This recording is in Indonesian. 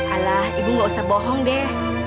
alah ibu gak usah bohong deh